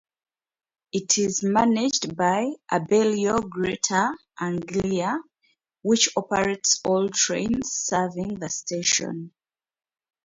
It is managed by Abellio Greater Anglia, which operates all trains serving the station.